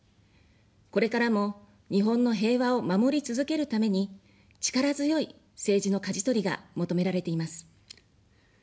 これからも日本の平和を守り続けるために、力強い政治のかじ取りが求められています。